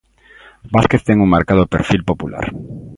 Vázquez ten un marcado perfil popular.